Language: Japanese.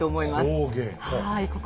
はい。